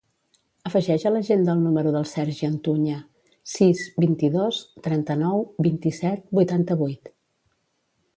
Afegeix a l'agenda el número del Sergi Antuña: sis, vint-i-dos, trenta-nou, vint-i-set, vuitanta-vuit.